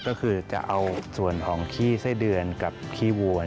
ก็คือจะเอาส่วนของขี้ไส้เดือนกับขี้วัว